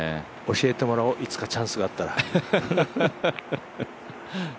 教えてもらおう、いつかチャンスがあったら。